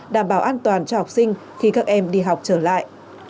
đảm bảo an toàn cho học sinh khi các em đi học trở lại